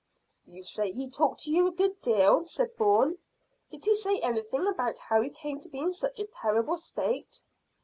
"You say he talked to you a good deal," said Bourne; "did he say anything about how he came to be in such a terrible state?"